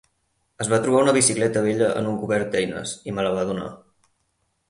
Es va trobar una bicicleta vella en un cobert d'eines, i me la va donar.